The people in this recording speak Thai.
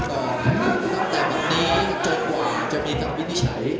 ตั้งแต่วันนี้จบกว่าจะมีคำวิธีใช้